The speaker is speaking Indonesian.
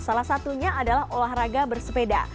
salah satunya adalah olahraga bersepeda